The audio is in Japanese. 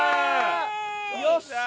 よっしゃ！